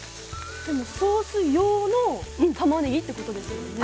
ソース用のたまねぎってことですもんね。